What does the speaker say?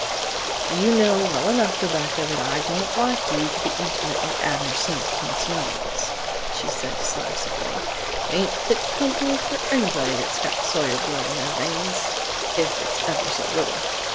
"You know well enough, Rebecca, that I don't like you to be intimate with Abner Simpson's young ones," she said decisively. "They ain't fit company for anybody that's got Sawyer blood in their veins, if it's ever so little.